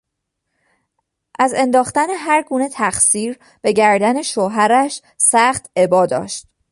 از انداختن هرگونه تقصیر به گردن شوهرش سخت ابا داشت.